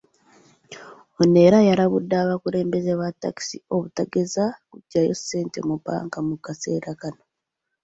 Ono era yalabudde abakulembeze ba takisi obutagezaako kujjayo ssente mu banka mu kaseera kano.